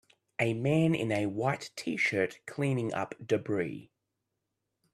A man in a white tshirt cleaning up debris.